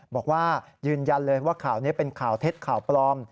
บอกว่ายืนยันเลยว่าข่าวนี้เป็นข่าวเท็จข่าวปลอม